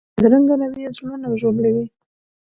بدرنګه رویه زړونه ژوبلوي